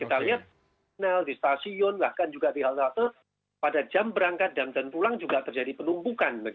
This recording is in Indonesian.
kita lihat di stasiun bahkan juga di halte pada jam berangkat dan pulang juga terjadi penumpukan